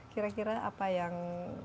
kira kira apa yang